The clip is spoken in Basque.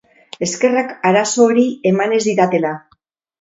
Eskerrak arazo hori eman ez didatela!